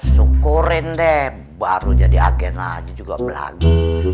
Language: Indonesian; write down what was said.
syukurin deh baru jadi agen lagi juga pelagi